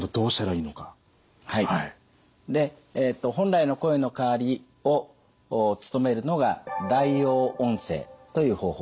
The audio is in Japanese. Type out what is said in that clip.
で本来の声の代わりを務めるのが代用音声という方法です。